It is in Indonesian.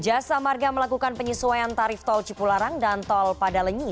jasa marga melakukan penyesuaian tarif tol cipu larang dan tol pada lenyi